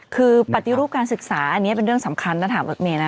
คือปฏิรูปการศึกษาอันนี้เป็นเรื่องสำคัญถ้าถามรถเมย์นะ